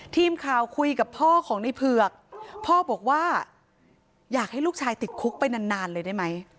ทีมข่าวคุยกับพ่อของในเผือกพ่อบอกว่าอยากให้ลูกชายติดคุกไปนานนานเลยได้ไหม